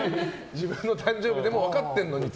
自分の誕生日でも分かってるのにと。